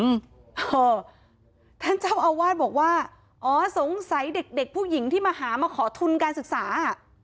เออท่านเจ้าอาวาสบอกว่าอ๋อสงสัยเด็กเด็กผู้หญิงที่มาหามาขอทุนการศึกษาอ่ะ